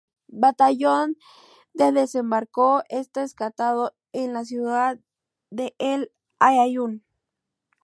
Batallón de Desembarco está destacado en la ciudad de El Aaiún.